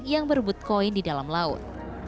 yang berebut koin di dalam laut